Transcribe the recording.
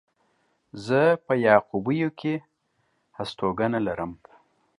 زه په يعقوبيو کې هستوګنه لرم.